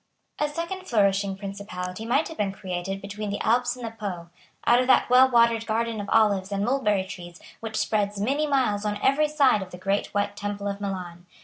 A second flourishing principality might have been created between the Alps and the Po, out of that well watered garden of olives and mulberry trees which spreads many miles on every side of the great white temple of Milan.